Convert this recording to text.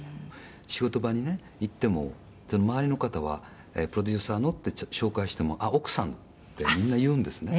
仕事場にね、行っても周りの方は「プロデューサーの」って紹介しても「あっ、奥さん」ってみんな言うんですね。